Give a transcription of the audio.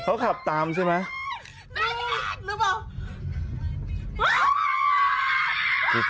เค้าขับตามใช่ไหมหน้าเดชน์